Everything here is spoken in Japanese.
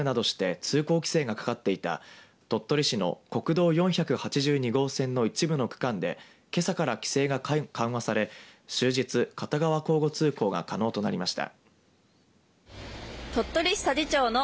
台風７号の記録的な大雨で道路が崩落するなどして通行規制がかかっていた鳥取市の国道４８２号線の一部の区間でけさから規制が緩和され終日片側交互通行が可能となりました。